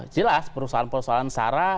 jelas perusahaan perusahaan sarah